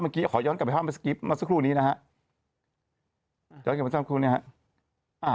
ขอย้อนกลับไปภาพมันสกิปมาสักครู่นี้นะฮะ